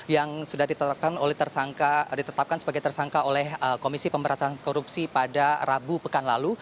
yang sudah ditetapkan sebagai tersangka oleh komisi pemberantasan korupsi pada rabu pekan lalu